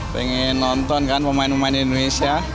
pengen nonton kan pemain pemain indonesia